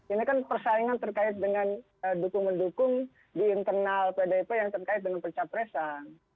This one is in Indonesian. ini kan persaingan terkait dengan dukung mendukung di internal pdip yang terkait dengan pencapresan